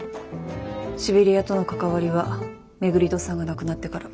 シベリアとの関わりは廻戸さんが亡くなってから。